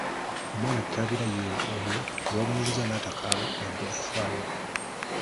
Omwana kikaabira ye oyo gwe babonereza n’atakaaba yadde okufaayo.